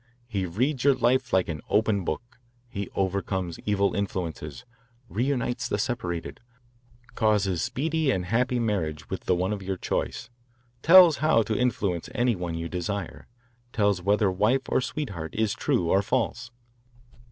He reads your life like an open book; he overcomes evil influences, reunites the separated, causes speedy and happy marriage with the one of your choice, tells how to influence any one you desire, tells whether wife or sweetheart is true or false.